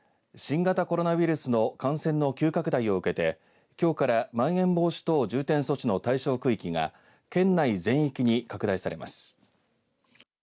新型コロナウイルスの感染の急拡大を受けてきょうからまん延防止等重点措置の対象区域が県内全域に拡大されます。